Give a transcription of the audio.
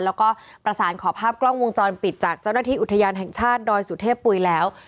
แล้วก็ประสานขอภาพกล้องวงจรปิดจากเจ้าหน้าที่อุทยานแห่งชาติดอยสุเทพปุ๋ยแล้ว